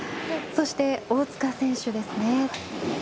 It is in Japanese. そして大塚選手ですね。